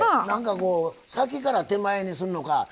何かこう先から手前にするのか